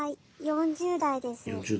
４０代で。